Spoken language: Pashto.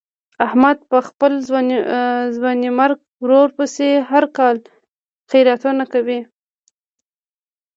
احمد په خپل ځوانیمرګ ورور پسې هر کال خیراتونه کوي.